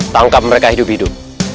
tangkap mereka hidup hidup